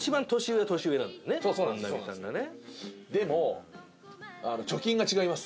でも貯金が違います。